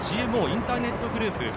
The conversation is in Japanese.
ＧＭＯインターネットグループ